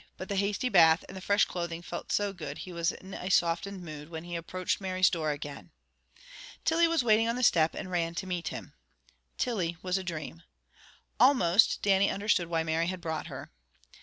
But the hasty bath and the fresh clothing felt so good he was in a softened mood when he approached Mary's door again. Tilly was waiting on the step, and ran to meet him. Tilly was a dream. Almost, Dannie understood why Mary had brought her.